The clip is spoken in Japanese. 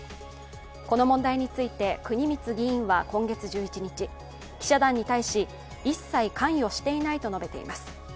この問題について国光議員は今月１１日、記者団に対し、一切、関与していないと述べています。